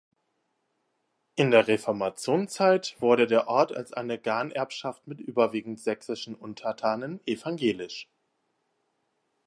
In der Reformationszeit wurde der Ort als eine Ganerbschaft mit überwiegend sächsischen Untertanen evangelisch.